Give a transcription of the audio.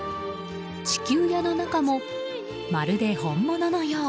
地球屋の中もまるで本物のよう。